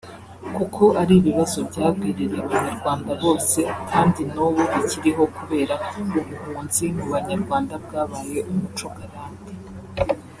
kuko ari ibibazo byagwiririye abanyarwanda bose kandi n’ubu bikiriho kubera ubuhunzi mu banyarwanda bwabaye umuco karande